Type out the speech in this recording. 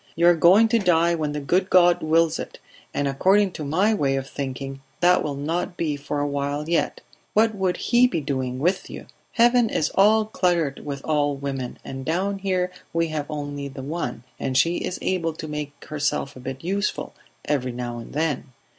"You are going to die when the good God wills it, and according to my way of thinking that will not be for a while yet. What would He be doing with you? Heaven is all cluttered with old women, and down here we have only the one, and she is able to make herself a bit useful, every now and then